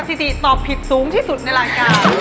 ซิติตอบผิดสูงที่สุดในรายการ